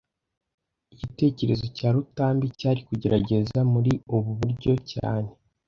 Igitekerezo cya Rutambi cyari kugerageza muri ubu buryo cyane